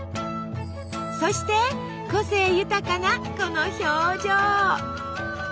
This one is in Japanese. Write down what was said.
そして個性豊かなこの表情。